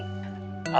mas upa sendiri